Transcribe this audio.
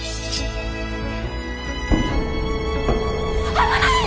危ない！